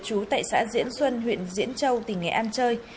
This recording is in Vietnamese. chú tại xã diễn xuân huyện diễn châu tỉnh nghệ an chơi